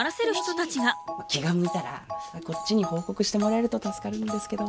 気が向いたらこっちに報告してもらえると助かるんですけど。